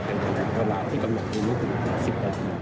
กันกับเวลาที่กำลังมีลุคอยู่๑๐นาที